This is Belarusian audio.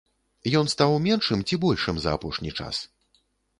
Ён стаў меншым ці большым за апошні час?